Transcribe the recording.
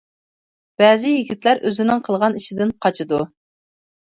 بەزى يىگىتلەر ئۆزىنىڭ قىلغان ئىشىدىن قاچىدۇ.